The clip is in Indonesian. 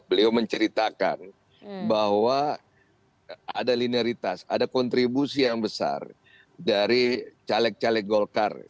beliau menceritakan bahwa ada linearitas ada kontribusi yang besar dari caleg caleg golkar